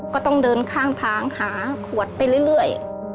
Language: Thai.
ก็ต้องเดินข้างทางหาขวดไปเรื่อย